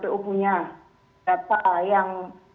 kalau kita punya data yang kuat tentang itu ya harus diungkap gitu